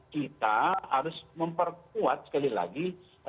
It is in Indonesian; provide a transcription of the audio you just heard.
kita harus memperkuat sekali lagi